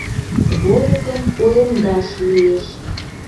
Вольыкым уэмдаш лиеш.